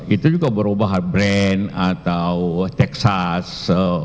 itu juga berubah brand atau texas